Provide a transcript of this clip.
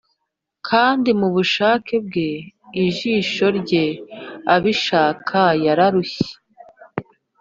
kandi mubushake bwe ijisho rye abishaka yararushye.